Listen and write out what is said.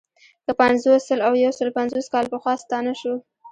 که پنځوس، سل او یو سلو پنځوس کاله پخوا ستانه شو.